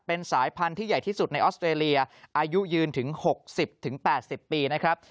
เป็นสายพันธุ์ที่ใหญ่ที่สุดในออสเตรเลียอายุยืนถึง๖๐๘๐ปีนะครับ